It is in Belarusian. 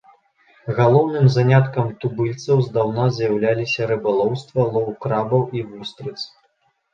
Галоўным заняткам тубыльцаў здаўна з'яўляліся рыбалоўства, лоў крабаў і вустрыц.